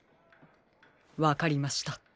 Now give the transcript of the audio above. わかりました。